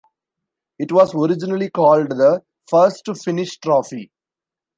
It was originally called the "First to Finish" Trophy.